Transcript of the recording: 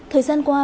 thời gian qua